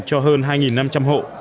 cho hơn hai năm trăm linh hộ